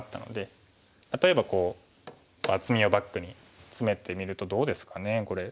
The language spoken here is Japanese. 例えばこう厚みをバックにツメてみるとどうですかねこれ。